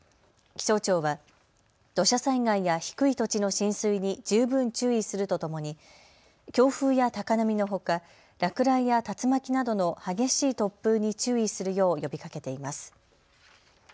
気象庁は土砂災害や低い土地の浸水に十分注意するとともに強風や高波のほか落雷や竜巻などの激しい突風に注意するよう呼びかけています。